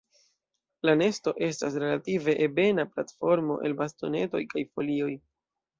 La nesto estas relative ebena platformo el bastonetoj kaj folioj.